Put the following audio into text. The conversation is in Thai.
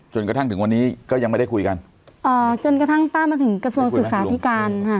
จนกระทั่งถึงวันนี้ก็ยังไม่ได้คุยกันอ๋อจนกระทั่งป้ามาถึงกระทรวงศึกษาธิการค่ะ